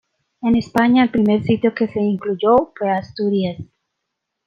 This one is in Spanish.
En España, el primer sitio que se incluyó fue Asturias.